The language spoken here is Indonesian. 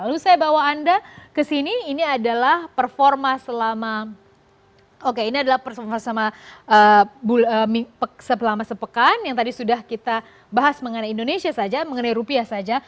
lalu saya bawa anda ke sini ini adalah performa selama oke ini adalah selama sepekan yang tadi sudah kita bahas mengenai indonesia saja mengenai rupiah saja